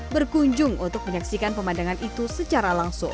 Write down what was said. berkunjung untuk menyaksikan pemandangan itu secara langsung